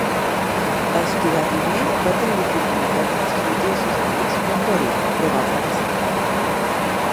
Estigarribia va tenir l'oportunitat de destruir tots els seus enemics un per un, però va fracassar.